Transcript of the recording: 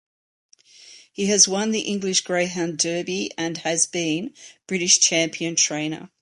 He has won the English Greyhound Derby and has been British champion trainer.